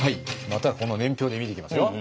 またこの年表で見ていきますよ。